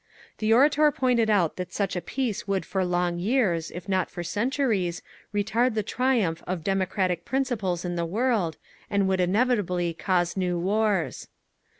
The orator pointed out that such a peace would for long years, if not for centuries, retard the triumph of democratic principles in the world, and would inevitably cause new wars.